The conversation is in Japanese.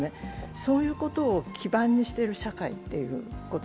そういうことを基盤にしている社会ということ。